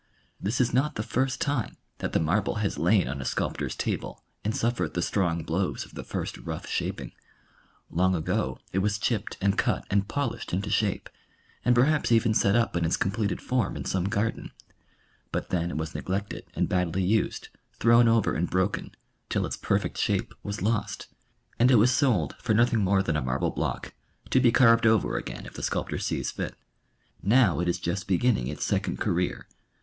This is not the first time that the marble has lain on a sculptor's table, and suffered the strong blows of the first rough shaping. Long ago it was chipped and cut and polished into shape, and perhaps even set up in its completed form in some garden, but then it was neglected and badly used, thrown over and broken, till its perfect shape was lost, and it was sold for nothing more than a marble block, to be carved over again if the sculptor sees fit. Now it just beginning its second career.